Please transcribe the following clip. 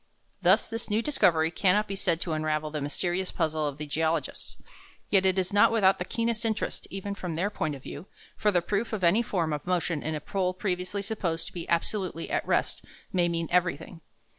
Thus this new discovery cannot be said to unravel the mysterious puzzle of the geologists. Yet it is not without the keenest interest, even from their point of view; for the proof of any form of motion in a pole previously supposed to be absolutely at rest may mean everything.